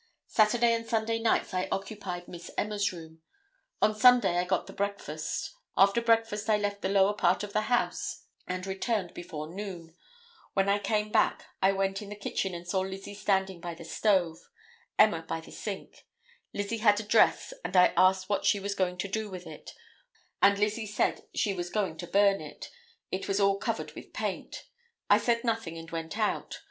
Saturday and Sunday nights I occupied Miss Emma's room; on Sunday I got the breakfast; after breakfast I left the lower part of the house and returned before noon; when I came back, I went in the kitchen and saw Lizzie standing by the stove, Emma by the sink; Lizzie had a dress and I asked her what she was going to do with it and Lizzie said she was going to burn it, it was all covered with paint. I said nothing and went out.